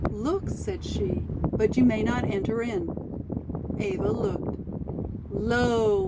"Look," said she, "but you may not enter in." Eva looked. Lo!